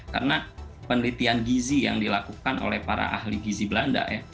karena penelitian gizi yang dilakukan oleh para ahli gizi belanda